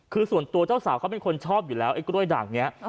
คือส่วนตัวเจ้าสาวเขาเป็นคนชอบอยู่แล้วไอ้กล้วยด่างนี้